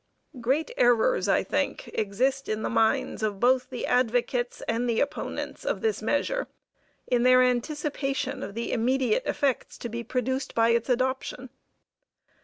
Great errors, I think, exist in the minds of both the advocates and the opponents of this measure in their anticipation of the immediate effects to be produced by its adoption.